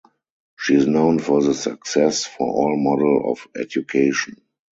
She is known for the Success for All model of education.